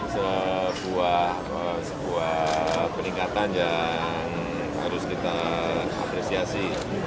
saya kira ini sebuah peningkatan yang harus kita apresiasi